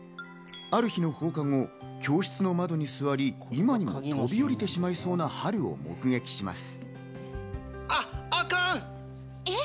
ある日の放課後、教室の窓に座り、今にも飛び降りてしまいそうなハルを目撃します。